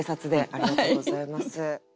ありがとうございます。